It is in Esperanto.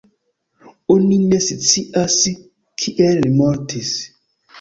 Oni ne scias kiel li mortis.